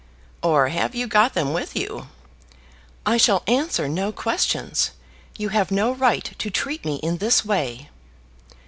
"Or have you got them with you?" "I shall answer no questions. You have no right to treat me in this way."